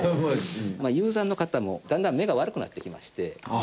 ユーザーの方もだんだん目が悪くなってきまして。